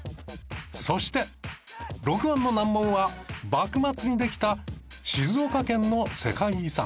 そして６番の難問は幕末にできた静岡県の世界遺産。